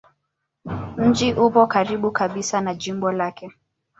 Mji upo karibu kabisa na jimbo lake.